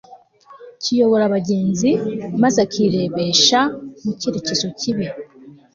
kiyobora abagenzi maze akirebesha mu cyerekezo kibi